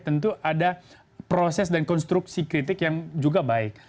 tentu ada proses dan konstruksi kritik yang juga baik